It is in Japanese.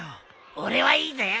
俺はいいぜ！